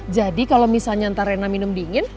jadi kalau misalnya ntar rena minum dingin